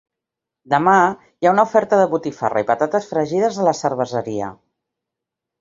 Demà hi ha una oferta de botifarra i patates fregides a la cerveseria.